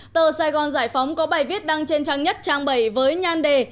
tờ sài gòn giải phóng có bài viết đăng trên trang nhất trang bảy với nhan đề